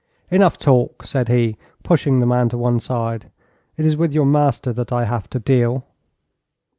'Enough talk,' said he, pushing the man to one side. 'It is with your master that I have to deal.'